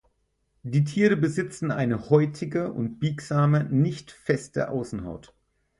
Die Tiere besitzen eine häutige und biegsame, nicht feste Außenhaut.